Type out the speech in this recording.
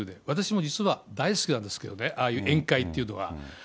私も実は大好きなんですけどね、ああいう宴会っていうのは。